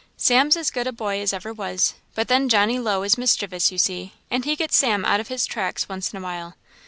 "Sam's as good a boy as ever was; but then Johnny Low is mischievous, you see, and he gets Sam out of his tracks once in a while.